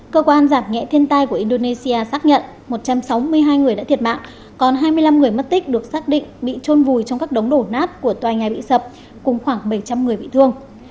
cơ quan giảm nhẹ thiên tai của indonesia xác nhận một trăm sáu mươi hai người đã thiệt mạng còn hai mươi năm người mất tích được xác định bị trôn vùi trong các đống đổ nát của tòa nhà bị sập cùng khoảng bảy trăm linh người bị thương